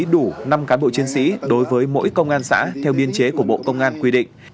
đủ năm cán bộ chiến sĩ đối với mỗi công an xã theo biên chế của bộ công an quy định